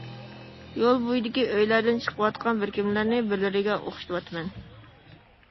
يول بويىدىكى ئۆيلەردىن چىقىۋاتقان بىر كىملەرنى بىرلىرىگە ئوخشىتىۋاتىمەن.